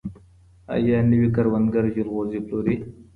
ایا نوي کروندګر جلغوزي پلوري؟